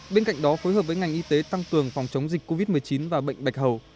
bên cạnh đó phối hợp với ngành y tế tăng cường phòng chống dịch covid một mươi chín và bệnh bạch hầu